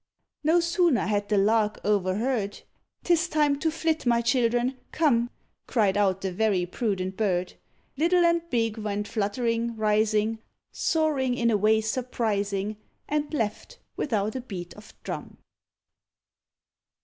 No sooner had the Lark o'erheard "'Tis time to flit, my children; come," Cried out the very prudent bird. Little and big went fluttering, rising, Soaring in a way surprising, And left without a beat of drum.